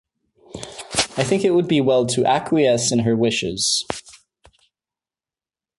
I think it would be well to acquiesce in her wishes.